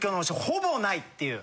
ほぼないっていう。